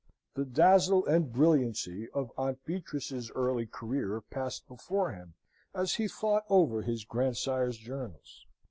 The dazzle and brilliancy of Aunt Beatrice's early career passed before him, as he thought over his grandsire's journals.